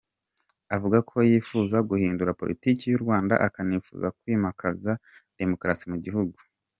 Avuga ko yifuza guhindura politiki y’u Rwanda akanifuza kwimakaza demokarasi mu gihugu.